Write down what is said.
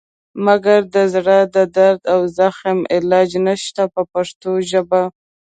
مګر د زړه د درد او زخم علاج نشته په پښتو ژبه.